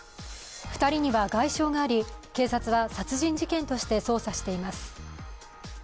２人には外傷があり、警察は殺人事件として捜査しています。